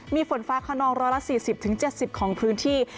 มีฝนฟ้าขนอง๑๔๐๗๐ของพื้นที่